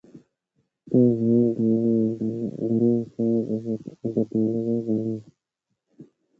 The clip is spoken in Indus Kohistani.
تاں مھال دالاں دَروۡ شعب ابی طالبے بئیلوۡ۔